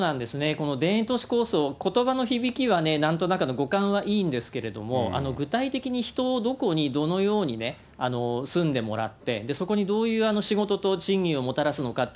この田園都市構想、ことばの響きはね、なんとなく語感はいいんですけれども、具体的に人をどこにどのようにね、住んでもらって、そこにどういう仕事と賃金をもたらすのかって、